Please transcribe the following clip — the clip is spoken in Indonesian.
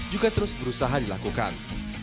juga terus berusaha dilakukan